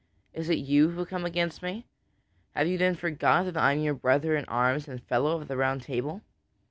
Is it you who come against me? Have you then forgot that I am your brother in arms and a fellow of the Round Table?"